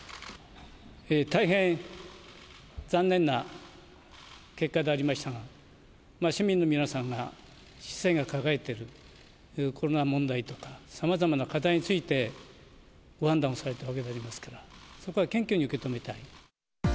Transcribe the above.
大変残念な結果でありましたが、市民の皆さんが市政が抱えているコロナ問題とか、さまざまな課題についてご判断をされたわけでありますから、そこは謙虚に受け止めたい。